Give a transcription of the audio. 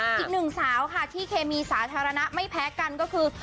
อีกหนึ่งสาวค่ะที่เคมีสาธารณะไม่แพ้กันก็คือ